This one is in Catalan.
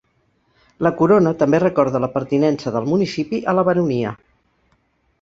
La corona també recorda la pertinença del municipi a la baronia.